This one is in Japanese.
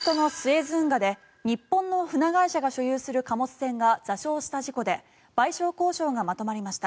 エジプトのスエズ運河で日本の船会社が所有する貨物船が座礁した事故で賠償交渉がまとまりました。